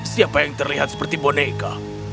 siapa yang terlihat seperti boneka